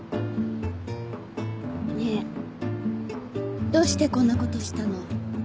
ねぇどうしてこんなことしたの？